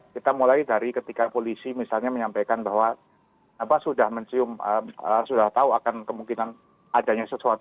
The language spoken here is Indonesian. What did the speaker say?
kita mulai dari ketika polisi menyampaikan bahwa sudah tahu akan kemungkinan adanya sesuatu